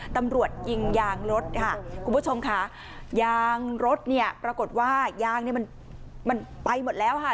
ตำรวจยิงยางรถค่ะคุณผู้ชมค่ะยางรถเนี่ยปรากฏว่ายางเนี่ยมันไปหมดแล้วค่ะ